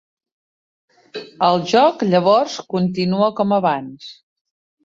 El joc llavors continua com abans.